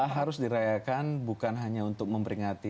harus dirayakan bukan hanya untuk memperingati